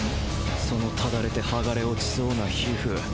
その爛れて剥がれ落ちそうな皮膚。